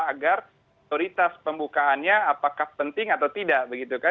agar prioritas pembukaannya apakah penting atau tidak